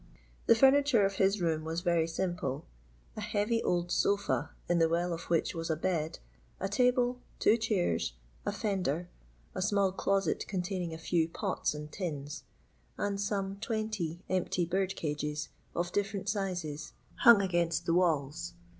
The furniture of his room was very simple. A heavy old sofi^ in the well of which was a bed, a table, two chairs, a fender, a small closet containing a few pots and tins, and some twenty empty bird cages of difierent sixes hung against the walls.